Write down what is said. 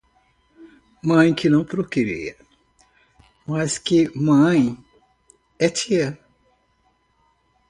Mãe que não procria, mais que mãe é tia.